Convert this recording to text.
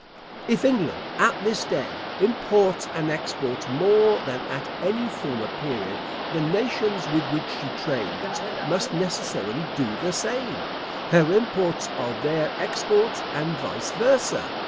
If England, at this day, imports and exports more than at any former period, the nations with which she trades must necessarily do the same; her imports are their exports, and vice versa.